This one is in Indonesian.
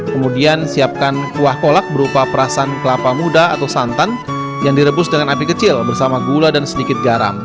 kemudian siapkan kuah kolak berupa perasan kelapa muda atau santan yang direbus dengan api kecil bersama gula dan sedikit garam